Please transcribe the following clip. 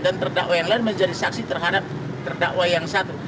dan terdakwa yang lain menjadi saksi terhadap terdakwa yang satu